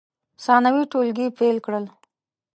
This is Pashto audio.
ثانوي ټولګي پیل کړل.